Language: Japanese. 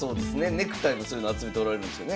ネクタイもそういうの集めておられるんですよね。